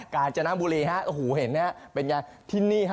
กาญจนบุรีฮะโอ้โหเห็นนะฮะเป็นไงที่นี่ฮะ